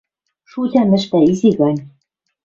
Шутям ӹштӓ изи гань.